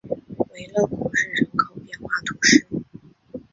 维勒古日人口变化图示